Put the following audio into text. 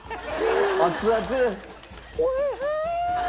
熱々？